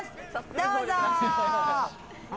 どうぞ。